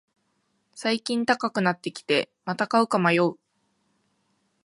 最近高くなってきて、また買うか迷う